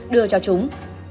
đưa cho chúng